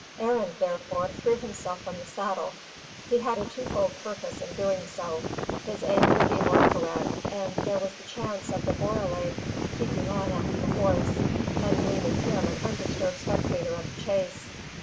Arend, therefore, threw himself from the saddle. He had a twofold purpose in doing so. His aim would be more correct, and there was the chance of the borele keeping on after the horse, and leaving him an undisturbed spectator of the chase.